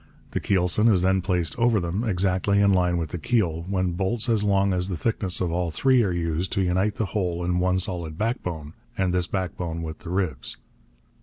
The keelson is then placed over them, exactly in line with the keel, when bolts as long as the thickness of all three are used to unite the whole in one solid backbone, and this backbone with the ribs.